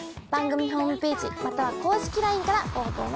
番組ホームページまたは公式ＬＩＮＥからご応募